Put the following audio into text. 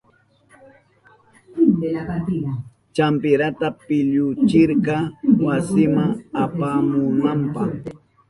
Champirata pilluchirka wasinma apamunanpa.